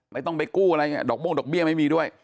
ไม่ต้องไปกู้อะไรเนี่ยดอกม่วงดอกเบี้ยไม่มีด้วย